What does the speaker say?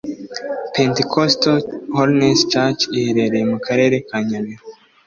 Pentecostal Holiness Church iherereye mu Karere ka Nyabihu